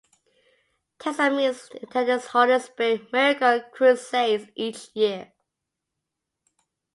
Tens of millions attend his Holy Spirit Miracle Crusades each year.